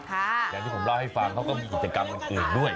อย่างที่ผมเล่าให้ฟังเขาก็มีกิจกรรมอื่นด้วย